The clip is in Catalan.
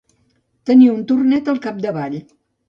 Tenir un tornet al capdavall.